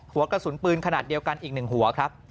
หัวกระสุนปืนขนาดเดียวกันอีก๑หัวครับ